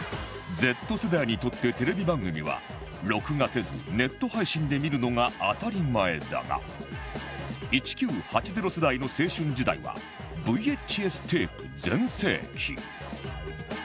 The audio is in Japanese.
Ｚ 世代にとってテレビ番組は録画せずネット配信で見るのが当たり前だが１９８０世代の青春時代は ＶＨＳ テープ全盛期